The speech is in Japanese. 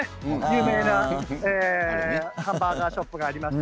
有名なハンバーガーショップがあります。